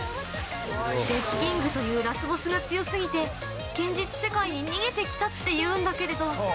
デスキングというラスボスが強すぎて、現実世界に逃げてきたって言うんだけど。